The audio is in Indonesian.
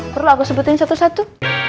perlu aku sebutin satu satu